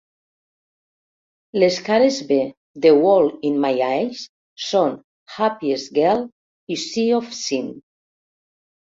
Les cares B de "World in My Eyes" són "Happiest Girl" i "Sea of Sin".